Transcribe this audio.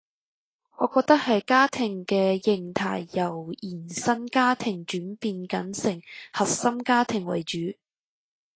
我覺得係家庭嘅型態由延伸家庭轉變緊成核心家庭為主